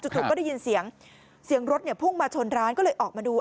จู่ก็ได้ยินเสียงเสียงรถเนี่ยพุ่งมาชนร้านก็เลยออกมาดู